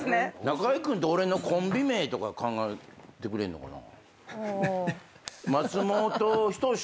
中居君と俺のコンビ名とか考えてくれるのかな。